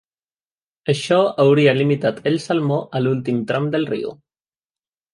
Això hauria limitat el salmó a l'últim tram del riu.